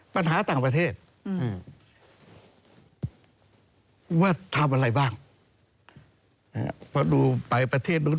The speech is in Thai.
ปัญหาต่างประเทศอืมว่าทำอะไรบ้างเพราะดูไปประเทศนู้น